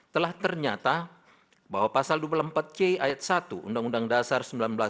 telah ternyata bahwa pasal dua puluh empat c ayat satu undang undang dasar seribu sembilan ratus empat puluh lima